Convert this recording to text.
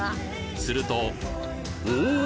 するとおお！